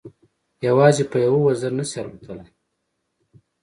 یوازې په یوه وزر نه شي الوتلای.